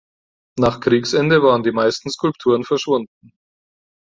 Nach Kriegsende waren die meisten Skulpturen verschwunden.